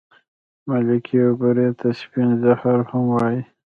مالګې او بورې ته سپين زهر هم وايې